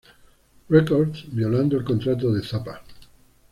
Records violando el contrato de Zappa.